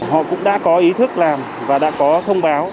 họ cũng đã có ý thức làm và đã có thông báo